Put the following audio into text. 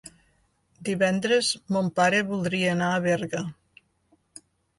Divendres mon pare voldria anar a Berga.